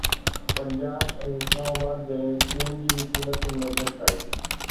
Punjab ۽ Islamabad ۾ C N G G قيمتن ۾ گهٽتائي